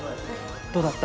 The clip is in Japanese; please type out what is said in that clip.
どうだった？